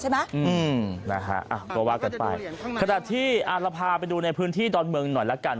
อืมนะฮะอ่ะก็ว่ากันไปขณะที่เราพาไปดูในพื้นที่ดอนเมืองหน่อยละกัน